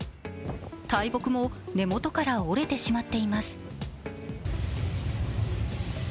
大木も根元から折れてしまっています。